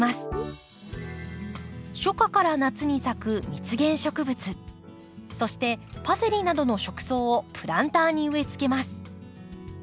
初夏から夏に咲く蜜源植物そしてパセリなどの食草をプランターに植えつけます。